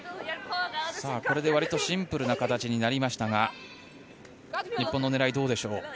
これでわりとシンプルな形になりましたが日本の狙い、どうでしょう。